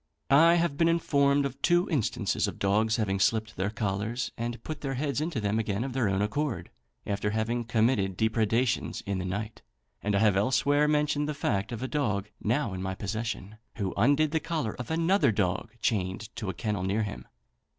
I have been informed of two instances of dogs having slipped their collars and put their heads into them again of their own accord, after having committed depredations in the night, and I have elsewhere mentioned the fact of a dog, now in my possession, who undid the collar of another dog chained to a kennel near him.